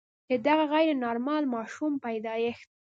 د دغه غیر نارمل ماشوم پیدایښت.